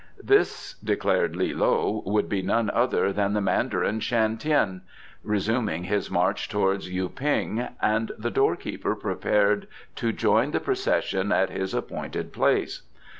This, declared Li loe, could be none other than the Mandarin Shan Tien, resuming his march towards Yu ping, and the doorkeeper prepared to join the procession at his appointed place.